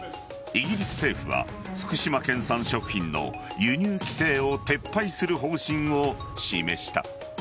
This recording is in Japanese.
イギリス政府は福島県産食品の輸入規制を撤廃する方針を示した。